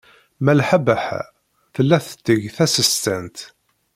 Malḥa Baḥa tella tetteg tasestant.